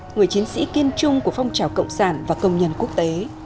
người chiến sĩ kiên trung của phong trào cộng sản và công nhân quốc tế